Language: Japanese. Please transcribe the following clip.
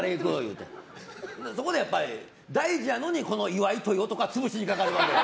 そこで、大事やのにこの岩井という男は潰しにかかるわけや。